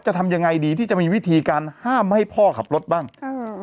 จะทำยังไงดีที่จะมีวิธีการห้ามให้พ่อขับรถบ้าง